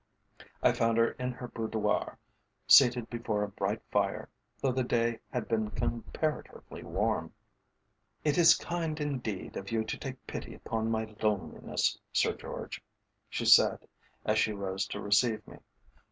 I found her in her boudoir seated before a bright fire, though the day had been comparatively warm. "It is kind indeed of you to take pity upon my loneliness, Sir George," she said, as she rose to receive me.